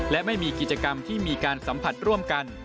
และไม่มีกิจกรรมที่มีการสัมผัสร่วมกัน